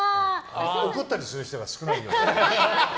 怒ったりする人が少ないから。